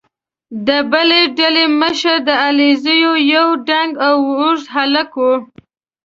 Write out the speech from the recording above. د بلې ډلې مشر د علیزو یو دنګ او اوږد هلک وو.